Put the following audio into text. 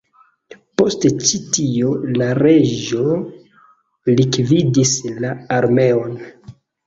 Post ĉi tio, la reĝo likvidis la armeon.